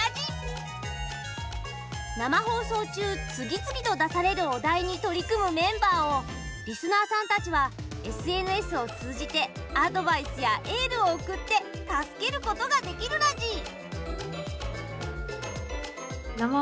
生放送中、次々と出されるお題に取り組むメンバーをリスナーさんたちはＳＮＳを通じてアドバイスやエールを送って助けることができるラジ。